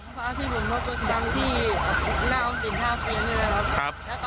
ก็ผมพาพี่ผู้โดยโทษดังที่หน้าออภิสิทธิ์ท่าเฟียงใช่ไหมครับ